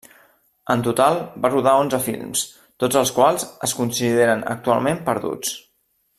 En total va rodar onze films, tots els quals es consideren actualment perduts.